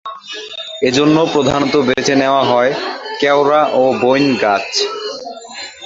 এজন্য প্রধানত বেছে নেওয়া হয় কেওড়া ও বাইন গাছ।